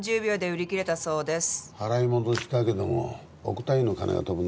払い戻しだけでも億単位の金が飛ぶな。